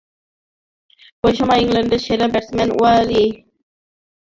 ঐ সময়ে ইংল্যান্ডের সেরা ব্যাটসম্যান ওয়ালি হ্যামন্ডের সর্বাত্মক সহায়তা পেয়েছিলেন।